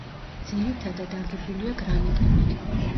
ძირითადად აგებულია გრანიტებით.